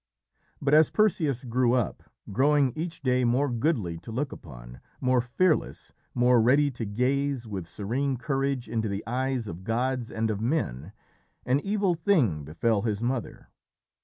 But as Perseus grew up, growing each day more goodly to look upon, more fearless, more ready to gaze with serene courage into the eyes of gods and of men, an evil thing befell his mother.